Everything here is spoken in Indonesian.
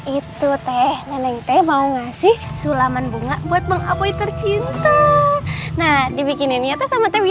itu teh nenek teh mau ngasih sulaman bunga buat mengapai tercinta nah dibikinin nyata sama tewi